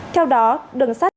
theo đó đường sắt